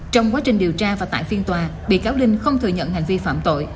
trong quá trình điều tra và tại phiên tòa bị cáo linh không thừa nhận hành vi phạm tội